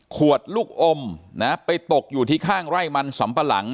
ลูกอมนะไปตกอยู่ที่ข้างไร่มันสำปะหลัง